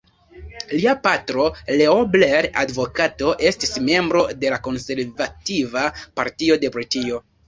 Lia patro, Leo Blair, advokato, estis membro de la Konservativa Partio de Britio.